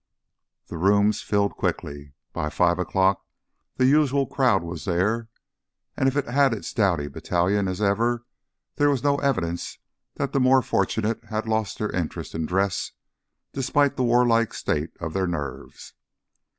The rooms filled quickly. By five o'clock the usual crowd was there, and if it had its dowdy battalion as ever, there was no evidence that the more fortunate had lost their interest in dress, despite the warlike state of their nerves.